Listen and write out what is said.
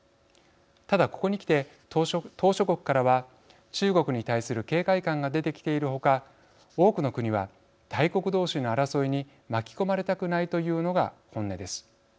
ただ、ここにきて島しょ国からは中国に対する警戒感が出てきている他多くの国は、大国同士の争いに巻き込まれたくないというのが本音です。